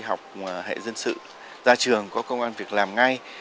học hệ dân sự ra trường có công an việc làm ngay